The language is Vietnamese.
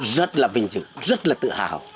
rất là vinh dự rất là tự hào